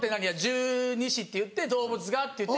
「十二支っていって動物が」って言って。